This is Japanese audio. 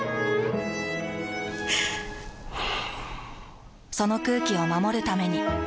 ふぅその空気を守るために。